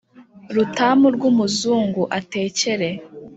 Rutamu rw'umuzungu atekere!